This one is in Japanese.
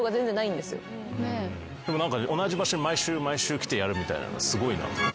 でも何か同じ場所に毎週来てやるみたいなのはすごいなと思って。